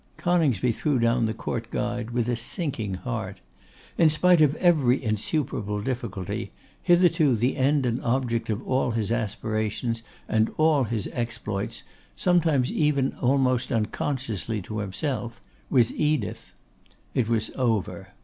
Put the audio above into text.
Coningsby threw down the 'Court Guide' with a sinking heart. In spite of every insuperable difficulty, hitherto the end and object of all his aspirations and all his exploits, sometimes even almost unconsciously to himself, was Edith. It was over.